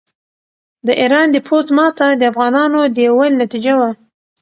د ایران د پوځ ماته د افغانانو د یووالي نتیجه وه.